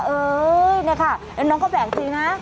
เอ๋ยนี่ค่ะน้องก็แบกจริงนะ